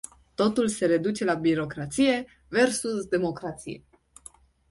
Totul se reduce la birocrație versus democrație.